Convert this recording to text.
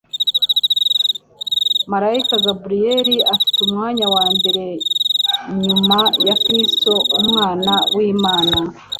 Maraika Gabneli ufite umwanya wa mbere nyuma ya Kristo Umwana w'Imana,